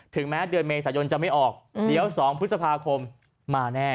แม้เดือนเมษายนจะไม่ออกเดี๋ยว๒พฤษภาคมมาแน่